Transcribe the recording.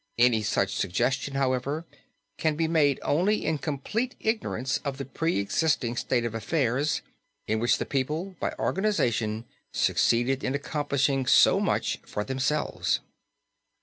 Any such suggestion, however, can be made only in complete ignorance of the preexisting state of affairs in which the people, by organization, succeeded in accomplishing so much for themselves.